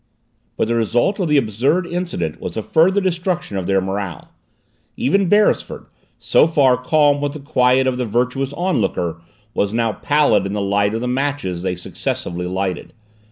But the result of the absurd incident was a further destruction of their morale. Even Beresford, so far calm with the quiet of the virtuous onlooker, was now pallid in the light of the matches they successively lighted.